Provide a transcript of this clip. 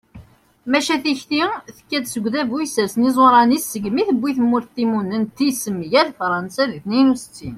maca tikti tekka-d seg udabu yessersen iẓuṛan-is segmi tewwi tmurt timunent-is mgal fṛansa di tniyen u settin